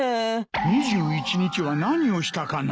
２１日は何をしたかな。